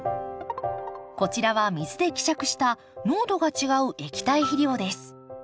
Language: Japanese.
こちらは水で希釈した濃度が違う液体肥料です。